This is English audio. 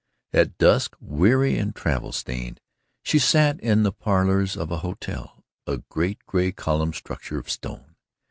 At dusk, weary and travel stained, she sat in the parlours of a hotel a great gray columned structure of stone.